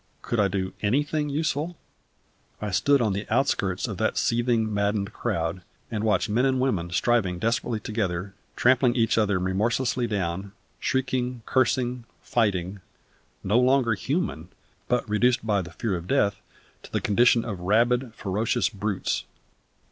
Could I do anything useful? I stood on the outskirts of that seething, maddened crowd, and watched men and women striving desperately together, trampling each other remorselessly down; shrieking, cursing, fighting; no longer human, but reduced by the fear of death to the condition of rabid, ferocious brutes.